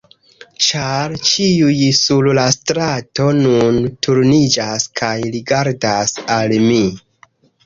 ĉar ĉiuj sur la strato nun turniĝas kaj rigardas al mi.